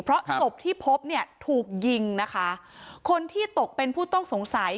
เพราะศพที่พบถูกยิงคนที่ตกเป็นผู้ต้องสงสัย